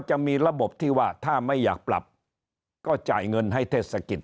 จะมีระบบที่ว่าถ้าไม่อยากปรับก็จ่ายเงินให้เทศกิจ